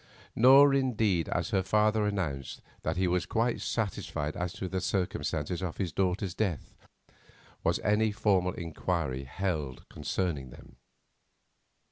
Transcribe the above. Nor indeed, as her father announced that he was quite satisfied as to the circumstances of his daughter's death, was any formal inquiry held concerning them.